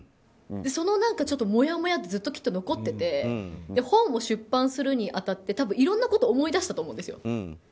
そのもやもやってずっときっと残ってて本を出版するに当たっていろんなこと思い出したと思うんですよ。